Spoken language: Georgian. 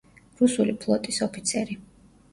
რუსული ფლოტის ოფიცერი.